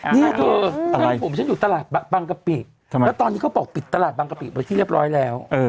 เนี่ยเธอบ้านผมฉันอยู่ตลาดบางกะปิแล้วตอนนี้เขาบอกปิดตลาดบางกะปิไปที่เรียบร้อยแล้ว